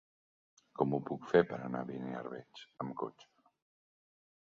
Com ho puc fer per anar a Beniarbeig amb cotxe?